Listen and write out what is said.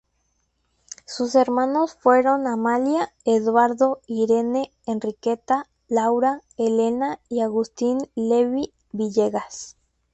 Sus hermanos fueron Amalia, Eduardo, Irene, Enriqueta, Laura, Elena y Agustín Levy Villegas.